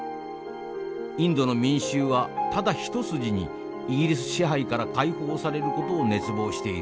インドの民衆はただ一筋にイギリス支配から解放される事を熱望している。